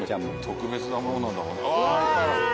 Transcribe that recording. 特別なものなんだあっ！